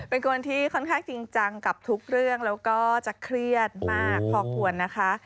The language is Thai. เป็นคนที่ค่อนข้างจริงจังกับทุกเรื่องแล้วก็จะเครียดมากพอควรนะคะ